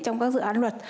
trong các dự án luật